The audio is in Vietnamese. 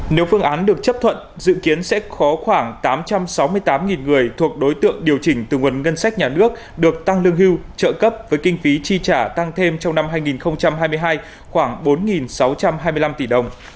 nếu phương án được chấp thuận dự kiến sẽ có khoảng tám trăm sáu mươi tám người thuộc đối tượng điều chỉnh từ nguồn ngân sách nhà nước được tăng lương hưu trợ cấp với kinh phí chi trả tăng thêm trong năm hai nghìn hai mươi hai khoảng bốn sáu trăm hai mươi năm tỷ đồng